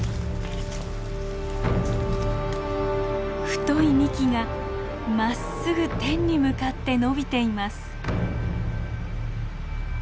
太い幹がまっすぐ天に向かって伸びています。